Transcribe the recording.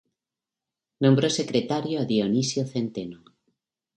Nombró secretario a Dionisio Centeno.